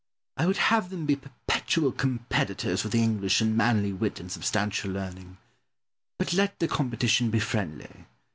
I would have them be perpetual competitors with the English in manly wit and substantial learning. But let the competition be friendly.